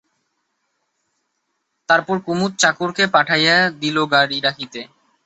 তারপর কুমুদ চাকরকে পাঠাইয়া দিল গাড়ি ডাকিতে।